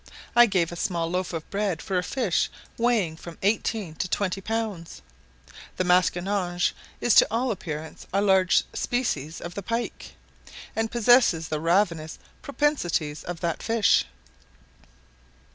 I gave a small loaf of bread for a fish weighing from eighteen to twenty pounds. The masquinonge is to all appearance a large species of the pike, and possesses the ravenous propensities of that fish.